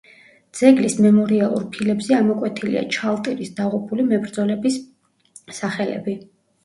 ძეგლის მემორიალურ ფილებზე ამოკვეთილია ჩალტირის დაღუპული მებრძოლების სახელები.